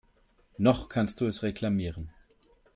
Noch kannst du es reklamieren.